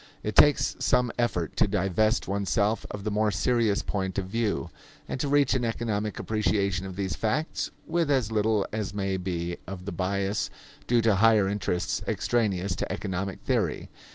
It takes some effort to divest oneself of the more serious point of view, and to reach an economic appreciation of these facts, with as little as may be of the bias due to higher interests extraneous to economic theory.